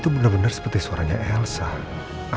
itu benar benar seperti suaranya elsa